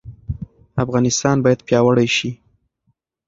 افغانستان باید پیاوړی شي.